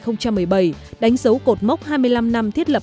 năm hai nghìn một mươi bảy đánh dấu cột mốc hai mươi năm năm thiết lập